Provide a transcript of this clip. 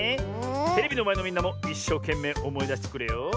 テレビのまえのみんなもいっしょうけんめいおもいだしてくれよ。